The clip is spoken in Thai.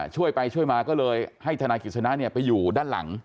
ช่วยไปช่วยมาก็เลยให้ธนายกิจสนะไปอยู่ด้านหลัง